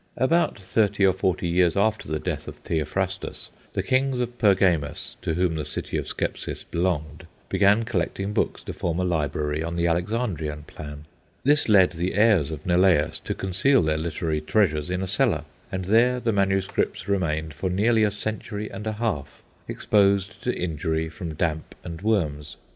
About thirty or forty years after the death of Theophrastus, the kings of Pergamus, to whom the city of Scepsis belonged, began collecting books to form a library on the Alexandrian plan. This led the heirs of Neleus to conceal their literary treasures in a cellar, and there the manuscripts remained for nearly a century and a half, exposed to injury from damp and worms.